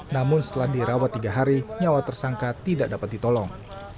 namun setelah dirawat tiga hari nyawa tersangka tidak dapat ditolong